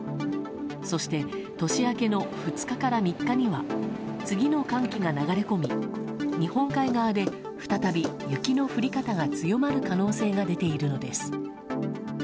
そして年明けの２日から３日には次の寒気が流れ込み日本海側で再び雪の降り方が強まる可能性が出ているのです。